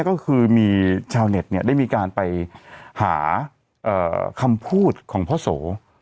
ก็คือเช่าเน็ตได้มีการไปหาคำพูดของพ่อโส